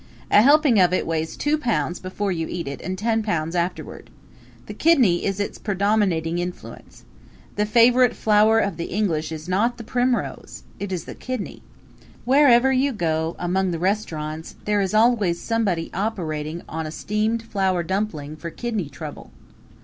A helping of it weighs two pounds before you eat it and ten pounds afterward. The kidney is its predominating influence. The favorite flower of the English is not the primrose. It is the kidney. Wherever you go, among the restaurants, there is always somebody operating on a steamed flour dumpling for kidney trouble.